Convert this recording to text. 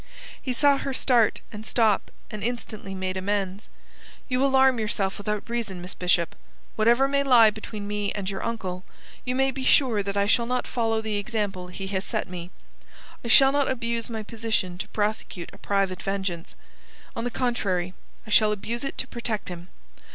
He saw her start, and stop, and instantly made amends. "You alarm yourself without reason, Miss Bishop. Whatever may lie between me and your uncle, you may be sure that I shall not follow the example he has set me. I shall not abuse my position to prosecute a private vengeance. On the contrary, I shall abuse it to protect him.